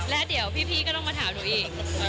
แล้วเดี๋ยวพี่ก็ต้องมาถามหนูอีก